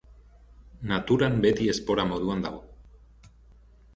Naturan beti espora moduan dago.